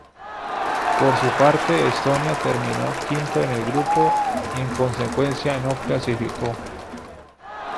Por su parte, Estonia terminó quinto en el grupo y en consecuencia no clasificó.